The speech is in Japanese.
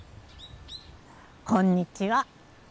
こんにちは。